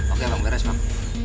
oke bang beres bang